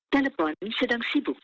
telepon sedang sibuk